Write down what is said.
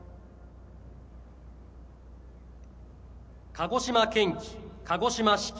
鹿児島県旗、鹿児島市旗